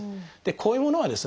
こういうものはですね